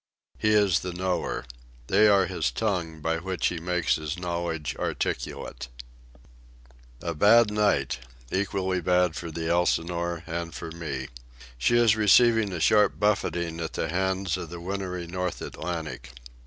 He is the knower. They are his tongue, by which he makes his knowledge articulate. A bad night—equally bad for the Elsinore and for me. She is receiving a sharp buffeting at the hands of the wintry North Atlantic.